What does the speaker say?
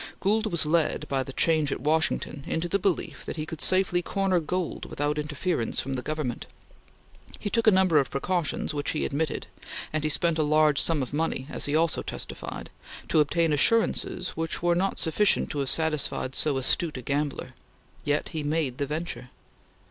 Gould was led, by the change at Washington, into the belief that he could safely corner gold without interference from the Government. He took a number of precautions, which he admitted; and he spent a large sum of money, as he also testified, to obtain assurances which were not sufficient to have satisfied so astute a gambler; yet he made the venture.